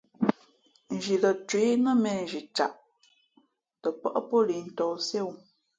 Nzhi lα cwéh nά měnzhi caʼ tα pάʼ pǒ lǐʼ ntǒh siéwū.